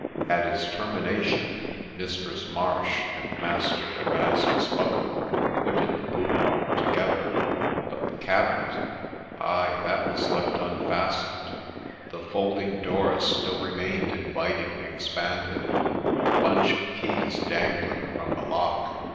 At its termination, Mistress Marsh and Master Erasmus Buckthome quitted the boudoir together. But the cabinet !— ay, that was left unfastened ; the folding doors still remained invitingly ex panded, the bunch of keys dangling from the lock.